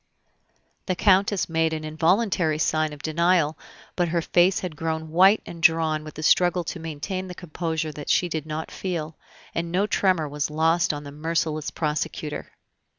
The Countess made an involuntary sign of denial, but her face had grown white and drawn with the struggle to maintain the composure that she did not feel, and no tremor was lost on the merciless prosecutor.